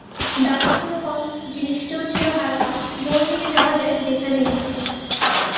দামও ছিল কম, জিনিসটিও ছিল হালকা, বয়ে নিয়ে যাওয়া যায় যেখানে ইচ্ছে।